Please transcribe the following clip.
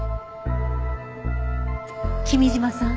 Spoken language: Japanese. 君嶋さん